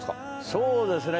そうですね。